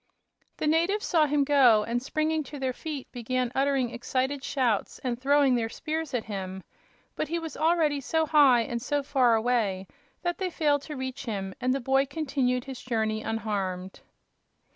The natives saw him go, and springing to their feet began uttering excited shouts and throwing their spears at him. But he was already so high and so far away that they failed to reach him, and the boy continued his journey unharmed.